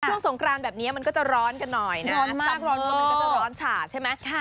หลวงสงครานแบบนี้ก็จะร้อนกระหน่อยมันก็จะร้อนชา